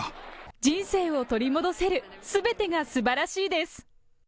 人生を取り戻せる、すべてがすばらしいです。